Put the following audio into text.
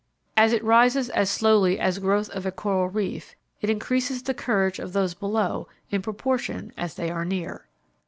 As it rises as slowly as growth of a coral reef it increases the courage of those below in proportion as they are near.